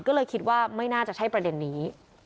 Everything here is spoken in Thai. ก็เลยคิดว่าไม่น่าจะใช่ประเด็นนี้